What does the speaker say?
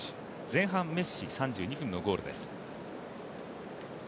前半、メッシ３２分のゴールです。